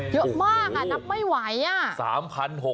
เยอะมากนับไม่ไหวอ่ะ